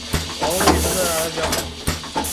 法国路易十四是他的教父。